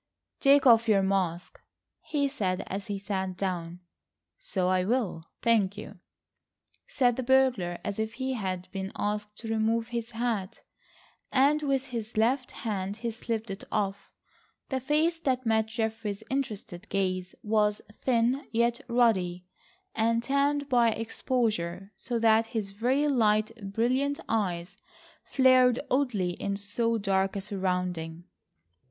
"Take off your mask," he said as he sat down. "So I will, thank you," said the burglar as if he had been asked to remove his hat, and with his left hand he slipped it off. The face that met Geoffrey's interested gaze was thin, yet ruddy, and tanned by exposure so that his very light brilliant eyes flared oddly in so dark a surrounding.